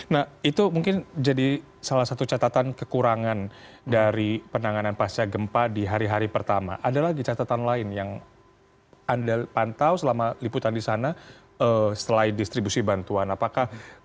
nah itu mungkin jadi salah satu catatan kekurangan dari penanganan pasca gempa di hari hari pertama ada lagi catatan lain yang anda pantau selama liputan di sana setelah distribusi bantuan apakah